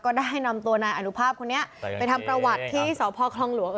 ได้นำตัวนายอนุภาพคนนี้ไปทำประวัติที่สพคลองหลวง